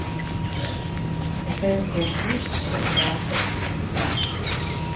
Se sent confús pel que ha fet.